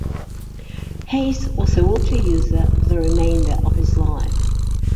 Hayes was a wheelchair user for the remainder of his life.